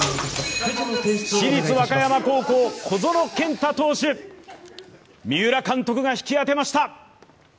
市立和歌山高校・小園健太投手、三浦監督が引き当てました！